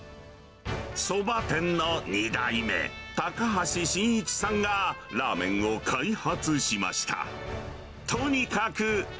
そば店の２代目、高橋信一さんがラーメンを開発しました。